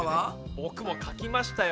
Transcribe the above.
ボクもかきましたよ。